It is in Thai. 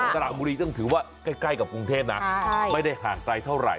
สระบุรีต้องถือว่าใกล้กับกรุงเทพนะไม่ได้ห่างไกลเท่าไห